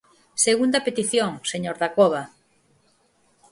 Segunda petición, señor Dacova.